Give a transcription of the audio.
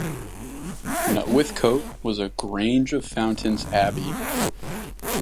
Nutwith Cote was a grange of Fountains Abbey.